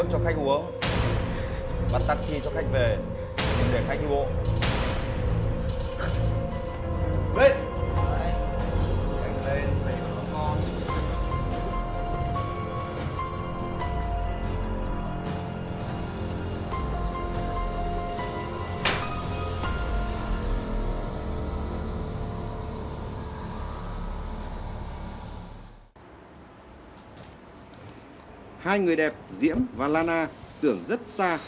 hai người đẹp diễm và lana tưởng rất xa